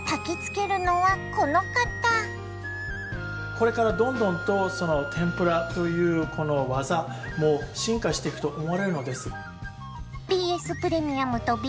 これからどんどんと天ぷらというこの技も進化していくと思われるのです。